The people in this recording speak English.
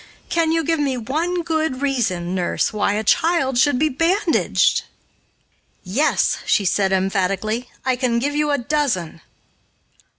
Can you give me one good reason, nurse, why a child should be bandaged?" "Yes," she said emphatically, "I can give you a dozen."